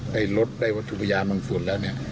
ได้รถได้วัตถุพยานบางส่วนแล้วเนี่ย